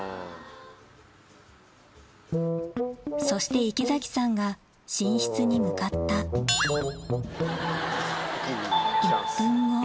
そして池崎さんが寝室に向かった１分後。